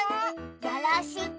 よろしく。